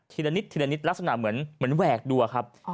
ทีละนิดลักษณะเหมือนแหวกดัวครับ